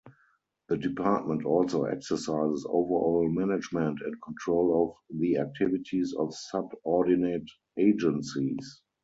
The department also exercises overall management and control of the activities of subordinate agencies.